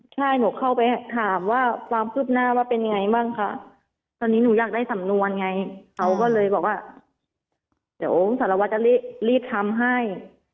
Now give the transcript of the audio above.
ใช่หนูเข้าไปถามว่าความคืบหน้าว่าเป็นยังไงบ้างค่ะตอนนี้หนูอยากได้สำนวนไงเขาก็เลยบอกว่าเดี๋ยวสารวัตรจะรีบทำให้